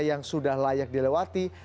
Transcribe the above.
yang sudah layak dilewati